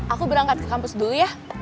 aku berangkat ke kampus dulu ya